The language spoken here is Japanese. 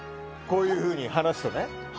こういうふうに話すとね。